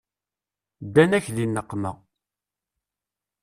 Ddan-ak di nneqma.